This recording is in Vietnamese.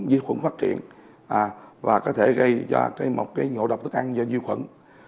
nhiễm khuẩn phát triển và có thể gây cho một cái ngộ độc thức ăn do nhiễm khuẩn